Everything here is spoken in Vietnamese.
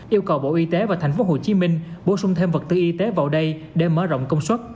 yêu cầu bộ y tế và thành phố hồ chí minh bổ sung thêm vật tư y tế vào đây để mở rộng công suất